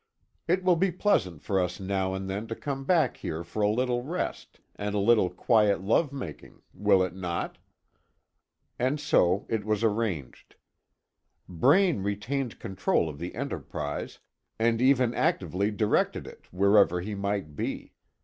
It will be pleasant for us now and then to come back here for a little rest, and a little quiet love making. Will it not?" And so it was arranged. Braine retained control of the Enterprise, and even actively directed it, wherever he might be.